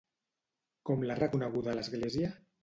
Com l'ha reconeguda l'Església?